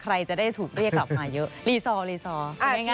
ใครจากนี่มีใครจะได้ถูกเรียกออกมาเยอะ